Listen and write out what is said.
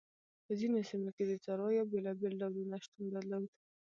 په ځینو سیمو کې د څارویو بېلابېل ډولونه شتون درلود.